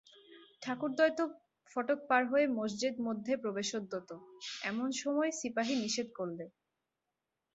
ঠাকুরদ্বয় তো ফটক পার হয়ে মসজেদ মধ্যে প্রবেশোদ্যত, এমন সময় সিপাহী নিষেধ করলে।